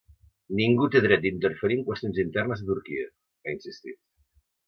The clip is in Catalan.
“Ningú té dret d’interferir en qüestions internes de Turquia”, ha insistit.